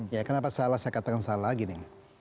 ya kenapa salah saya katakan salah gini